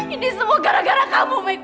ini semua gara gara kamu